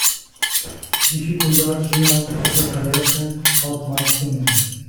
Dificuldades não desaparecem automaticamente